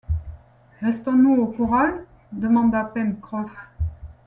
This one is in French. Restons-nous au corral ? demanda Pencroff.